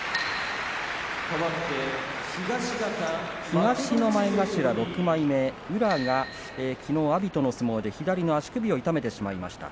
東の前頭６枚目、宇良がきのう阿炎との相撲で左の足首を痛めてしまいました。